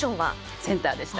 センターでした。